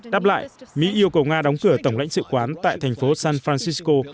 đáp lại mỹ yêu cầu nga đóng cửa tổng lãnh sự quán tại thành phố san francisco